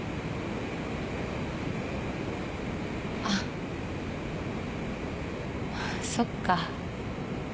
あっそっか。